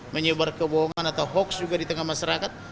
menyebar kebohongan atau hoax juga di tengah masyarakat